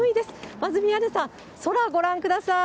まず宮根さん、空ご覧ください。